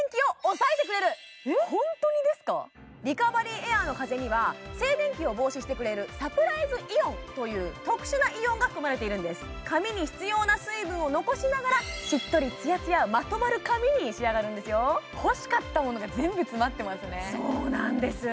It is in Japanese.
エアーの風には静電気を防止してくれるサプライズイオンという特殊なイオンが含まれているんです髪に必要な水分を残しながらしっとりツヤツヤまとまる髪に仕上がるんですよ・欲しかったものが全部詰まってますねそうなんです